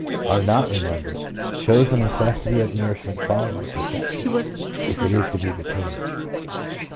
are not remembered, shows the necessity of nourishment following the perception, if it is to be retained.